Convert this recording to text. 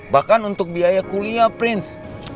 bahkan untuk biaya kuliah prince